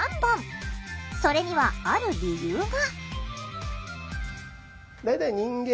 それにはある理由が。